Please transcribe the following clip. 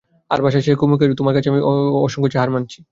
তার ভাষায় সে কুমুকে বুঝিয়ে দিলে, তোমার কাছে আমি অসংকোচে হার মানছি।